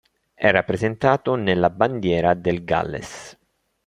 È rappresentato nella bandiera del Galles.